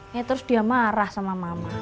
ya terus dia marah sama mama